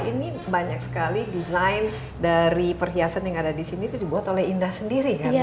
ini banyak sekali desain dari perhiasan yang ada di sini itu dibuat oleh indah sendiri kan